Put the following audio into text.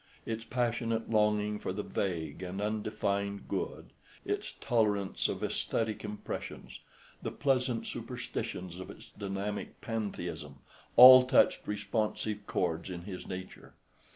Its passionate longing for the vague and undefined good, its tolerance of æsthetic impressions, the pleasant superstitions of its dynamic pantheism, all touched responsive chords in his nature.